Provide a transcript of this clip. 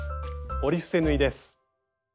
折り伏せ縫いです。